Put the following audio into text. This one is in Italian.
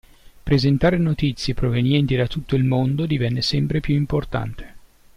Presentare notizie provenienti da tutto il mondo divenne sempre più importante.